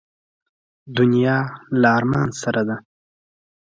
دنیا له ارمان سره ده.